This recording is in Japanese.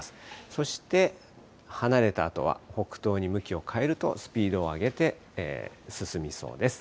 そして、離れたあとは、北東に向きを変えるとスピードを上げて、進みそうです。